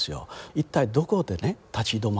一体どこでね立ち止まるのか。